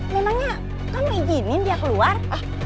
memangnya kamu izinin dia keluar